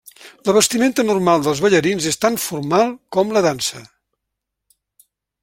La vestimenta normal dels ballarins és tan formal com la dansa.